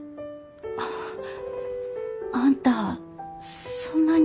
ああんたそんなに？